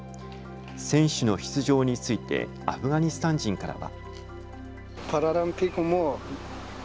選手の出場についてアフガニスタン人からは。